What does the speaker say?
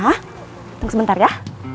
hah tunggu sebentar ya